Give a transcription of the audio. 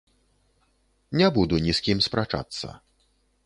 Не буду ні з кім спрачацца.